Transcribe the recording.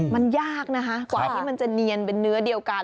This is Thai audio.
มันยากนะคะกว่าที่มันจะเนียนเป็นเนื้อเดียวกัน